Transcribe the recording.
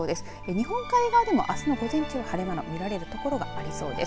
日本海側でもあすの午前中晴れ間が見られる所がありそうです。